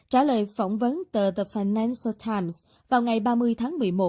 trả lời phỏng vấn tờ the financial times vào ngày ba mươi tháng một mươi một